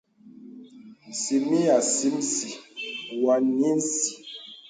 Cìmì à acìmsì mwānī sì.